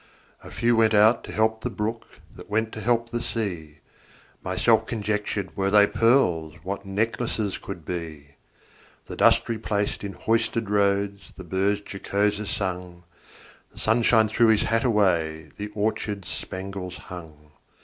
A few went out to help the brook, That went to help the sea. Myself conjectured, Were they pearls, What necklaces could be! The dust replaced in hoisted roads, The birds jocoser sung; The sunshine threw his hat away, The orchards spangles hung.